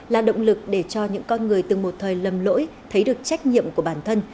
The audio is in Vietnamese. là động lực để cho những con người từng một thời lầm lỗi thấy được trách nhiệm của bản thân